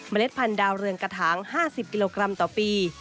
เล็ดพันธุเรืองกระถาง๕๐กิโลกรัมต่อปี